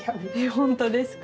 本当ですか？